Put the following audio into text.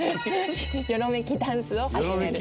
よろめきダンスを始める。